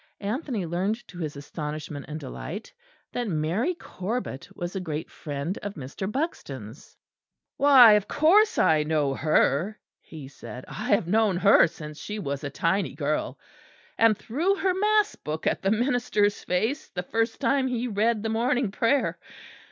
Anthony learned to his astonishment and delight that Mary Corbet was a great friend of Mr. Buxton's. "Why, of course I know her," he said. "I have known her since she was a tiny girl, and threw her mass book at the minister's face the first time he read the morning prayer.